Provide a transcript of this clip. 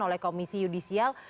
oleh komisi judisial